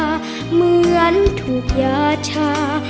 เหมือนถูกยาชา